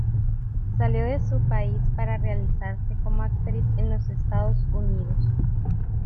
Salió de su país para realizarse como actriz en los Estados Unidos.